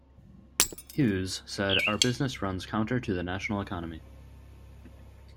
Hughes said Our business runs counter to the national economy.